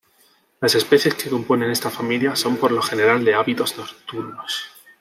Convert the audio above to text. Las especies que componen esta familia son por lo general de hábitos nocturnos.